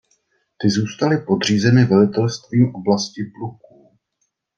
Ty zůstaly podřízeny velitelstvím oblastí pluků.